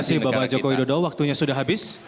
terima kasih bapak joko widodo waktunya sudah habis